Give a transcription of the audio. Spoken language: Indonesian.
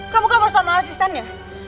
kamu kan bersama asistennya